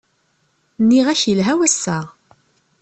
Nniɣ-ak yelha wass-a!